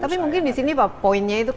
tapi mungkin di sini pak